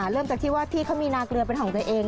เริ่มจากที่ว่าที่เขามีนาเกลือเป็นของตัวเอง